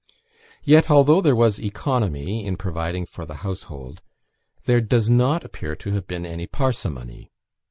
Yet, although there was economy in providing for the household, there does not appear to have been any parsimony.